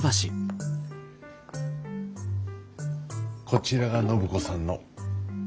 こちらが暢子さんの。